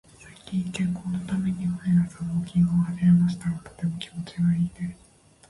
最近、健康のために毎朝ウォーキングを始めましたが、とても気持ちがいいです。